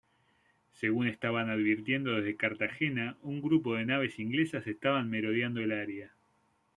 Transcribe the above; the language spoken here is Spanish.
Según estaban advirtiendo desde Cartagena, un grupo de naves inglesas estaban merodeando el área.